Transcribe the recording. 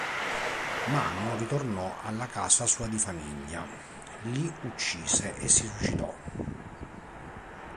Mano ritornò alla casa sua di famiglia, li uccise, e si suicidò.